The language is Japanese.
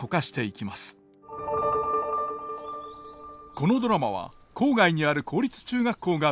このドラマは郊外にある公立中学校が舞台。